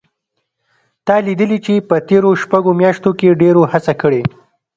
تا لیدلي چې په تېرو شپږو میاشتو کې ډېرو هڅه کړې